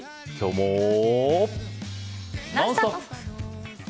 「ノンストップ！」。